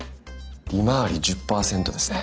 利回り１０％ですね。